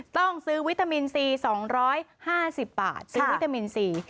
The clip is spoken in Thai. ต้องซื้อวิตามินซี๒๕๐บาทซื้อวิตามินซี